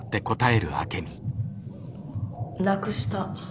なくした。